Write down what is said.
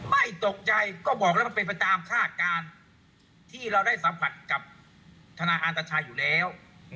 ไม่ตกใจก็บอกแล้วมันเป็นไปตามคาดการณ์ที่เราได้สัมผัสกับธนาอันตชัยอยู่แล้ว